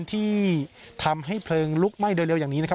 ที่ทำให้เพลิงลุกไหม้โดยเร็วอย่างนี้นะครับ